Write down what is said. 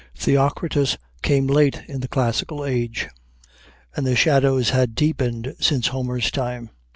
Theocritus came late in the classical age, and the shadows had deepened since Homer's time.